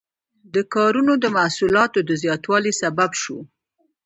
دې کارونو د محصولاتو د زیاتوالي سبب شو.